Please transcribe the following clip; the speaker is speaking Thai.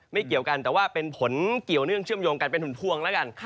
เกี่ยวกันแต่ว่าเป็นผลเกี่ยวเนื่องเชื่อมโยงกันเป็นหุ่นพวงแล้วกัน